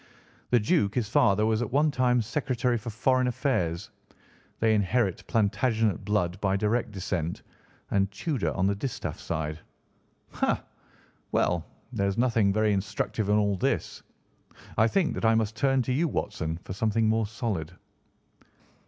The Duke, his father, was at one time Secretary for Foreign Affairs. They inherit Plantagenet blood by direct descent, and Tudor on the distaff side. Ha! Well, there is nothing very instructive in all this. I think that I must turn to you Watson, for something more solid."